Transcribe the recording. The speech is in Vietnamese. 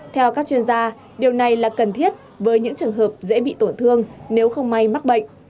theo các chuyên gia điều này là cần thiết với những trường hợp dễ bị tổn thương nếu không may mắc bệnh